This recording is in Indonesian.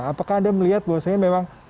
apakah ada melihat bahwa